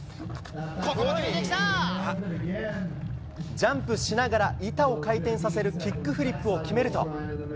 ジャンプしながら板を回転させるキックフリップを決めると。